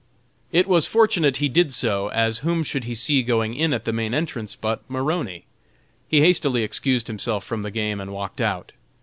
It was fortunate he did so, as whom should he see going in at the main entrance but Maroney. He hastily excused himself from the game and walked out.